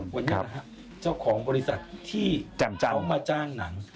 วันนี้นะฮะเจ้าของบริษัทที่เขามาจ้างหนัง